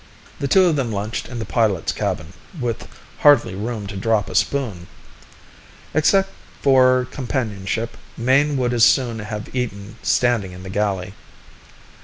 The two of them lunched in the pilot's cabin, with hardly room to drop a spoon. Except for companionship, Mayne would as soon have eaten standing in the galley.